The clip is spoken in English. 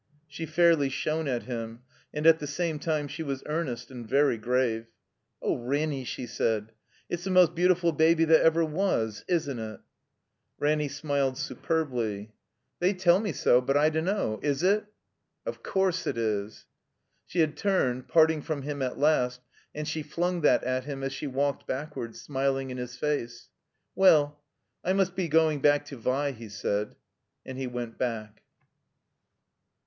She fairly shone at him, and at the same time she was earnest and very grave. "Oh, Ranny," she said, "it's the most beautiful baby that ever was — ^Isn't it?" Ranny smiled superbly. i6i THE COMBINED MAZE "They tell me so; but I dunno. 75 it?" "Of course it is." She had turned, parting from him at last, and she flimg that at him as she walked backward, smiling in his face. ''Well — I must be going back to Vi," he said. And he went back.